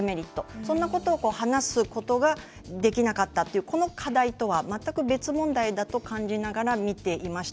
そんなことが話すことができなかったという課題とは全く別問題だと感じながら見ていました。